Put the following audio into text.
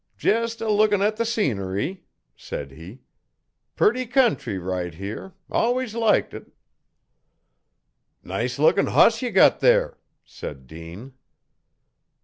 'Jest a lookin' at the scenery,' said he. 'Purty country, right here! AIwus liked it.' 'Nice lookin' hoss ye got there,' said Dean.